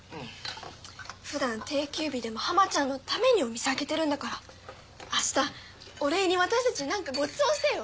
ふだん定休日でもハマちゃんのためにお店開けてるんだから明日お礼に私たちに何かご馳走してよ。